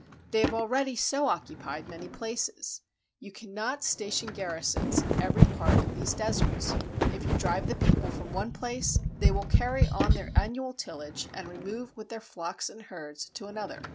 They have already so occupied in many places. You can not station garrisons in every part of these deserts. If you drive the people from one place, they will carry on their annual tillage and remove with their flocks and herds to another.